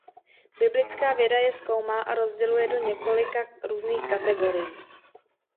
Biblická věda je zkoumá a rozděluje do několika různých kategorií.